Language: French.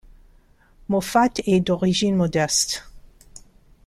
Moffat est d'origine modeste.